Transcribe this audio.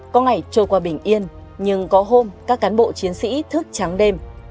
có ngày trôi qua bình yên nhưng có hôm các cán bộ chiến sĩ thức trắng đêm